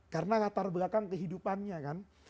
karena latar belakang kehidupannya kan